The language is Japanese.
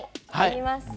やります。